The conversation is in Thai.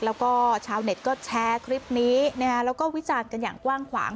แล้วก็ชาวเน็ตก็แชร์คลิปนี้แล้วก็วิจารณ์กันอย่างกว้างขวาง